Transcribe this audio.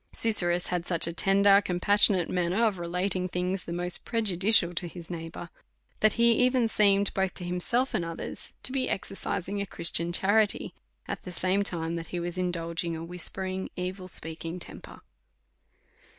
Susurrus had such a tender, compassionate manner of relating things the most prejudicial to his neigh bour, that he even seemed, both to himself and others, to be exercising a Christian charity at the same time that he was indulging a whispering, evil speaking temper.